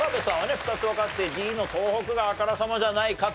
２つわかってＤの東北があからさまじゃないかと。